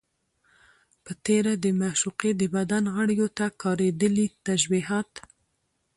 په تېره، د معشوقې د بدن غړيو ته کارېدلي تشبيهات